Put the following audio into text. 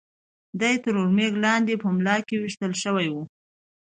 دی تر ور مېږ لاندې په ملا کې وېشتل شوی و.